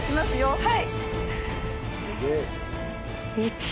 はい。